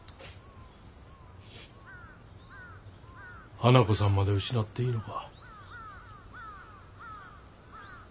花子さんまで失っていいのか？